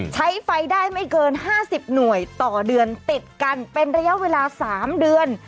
ใช้ไฟได้ไม่เกิน๕๐หน่วยต่อเดือนติดกันเป็นระยะเวลา๓เดือน